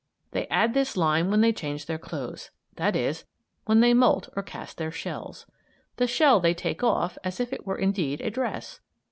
They add this lime when they change their clothes; that is, when they moult or cast their shells. The shell they take off as if it were indeed a dress.